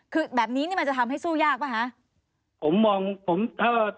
คือแบบนี้นี่มันจะทำให้สู้ยากป่ะคะ